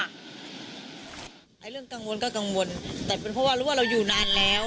เรื่องกังวลก็กังวลแต่เป็นเพราะว่ารู้ว่าเราอยู่นานแล้ว